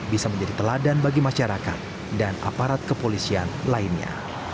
bisa menjadi teladan bagi masyarakat dan aparat kepolisian lainnya